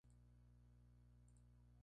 Posee estudios en la Universidad de Alcalá.